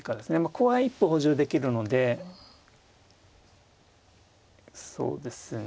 ここは一歩補充できるのでそうですね